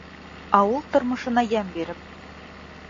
Ауыл тормошона йәм биреп